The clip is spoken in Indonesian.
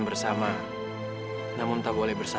ketika lo sudah menangis